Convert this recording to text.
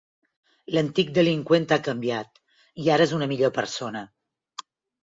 L'antic delinqüent ha canviat i ara és una millor persona.